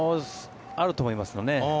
あると思いますね。